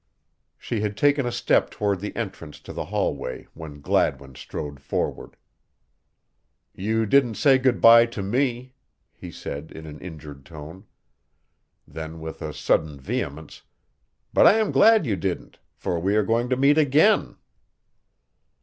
She had taken a step toward the entrance to the hallway when Gladwin strode forward. "You didn't say good by to me," he said in an injured tone. Then with a sudden vehemence: "But I am glad you didn't, for we are going to meet again."